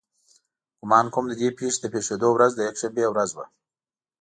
ګمان کوم د دې پېښې د پېښېدو ورځ د یکشنبې ورځ وه.